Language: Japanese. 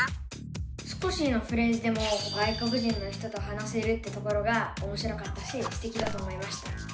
少しのフレーズでも外国人の人と話せるってところがおもしろかったしステキだと思いました。